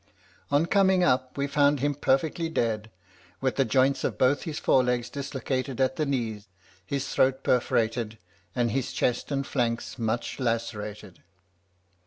"On coming up, we found him perfectly dead, with the joints of both his forelegs dislocated at the knee, his throat perforated, and his chest and flanks much lacerated.